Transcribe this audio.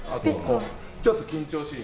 ちょっと緊張しい